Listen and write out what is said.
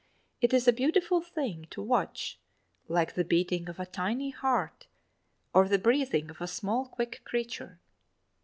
It is a beautiful thing, to watch, like the beating of a tiny heart, or the breathing of a small quick creature.